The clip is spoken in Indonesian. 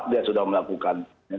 dia sudah melakukan